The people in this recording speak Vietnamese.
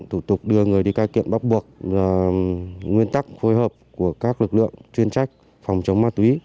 thủ tục đưa người đi cai nghiện bắt buộc nguyên tắc phối hợp của các lực lượng chuyên trách phòng chống ma túy